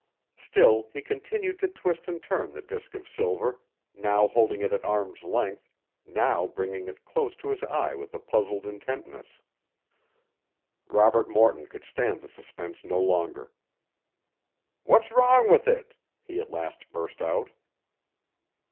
Still he continued to twist and turn the disc of silver, now holding it at arm's length, now bringing it close to his eye with a puzzled intentness. Robert Morton could stand the suspense no longer. "What's wrong with it?" he at last burst out.